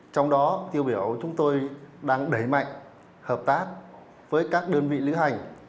trong đó tiêu biểu chúng tôi đang đẩy mạnh hợp tác với các đơn vị lữ hành